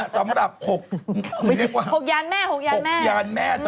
ซ้ำหรับ๖ไม่ได้ความ